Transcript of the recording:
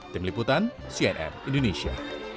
tim liputan cnn indonesia